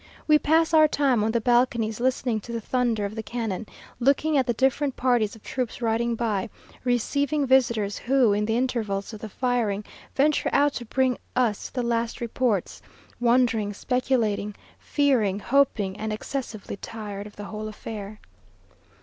We pass our time on the balconies, listening to the thunder of the cannon, looking at the different parties of troops riding by, receiving visitors, who, in the intervals of the firing, venture out to bring us the last reports wondering, speculating, fearing, hoping, and excessively tired of the whole affair.